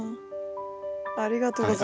ありがとうございます。